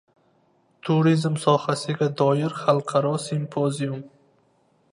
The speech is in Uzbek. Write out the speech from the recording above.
Turizm sohasiga doir xalqaro simpozium